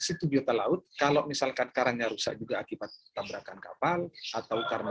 situ biota laut kalau misalkan karangnya rusak juga akibat tabrakan kapal atau karena